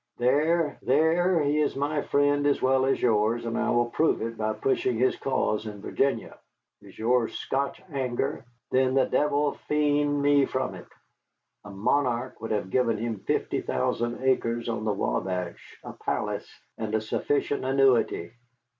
There, there, he is my friend as well as yours, and I will prove it by pushing his cause in Virginia. Is yours Scotch anger? Then the devil fend me from it. A monarch would have given him fifty thousand acres on the Wabash, a palace, and a sufficient annuity.